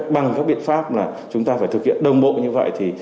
bằng các biện pháp là chúng ta phải thực hiện đồng bộ như vậy